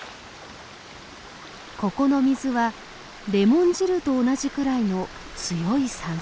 ここの水はレモン汁と同じぐらいの強い酸性。